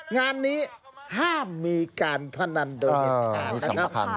งานนี้ห้ามมีการพนันเงียบกัน